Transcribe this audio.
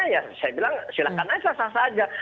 ya saya bilang silakan aja sah sah saja